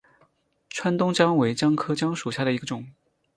川东姜为姜科姜属下的一个种。